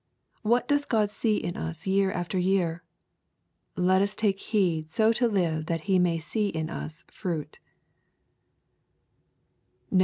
What doeg God see in us year after year ? Let us take heed so to live that He may see in us fruit.